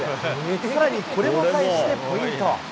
さらにこれも返してポイント。